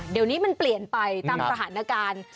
เดี๋ยวนี้มันเปลี่ยนไปตามสถานการณ์